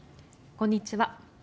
こんにちは。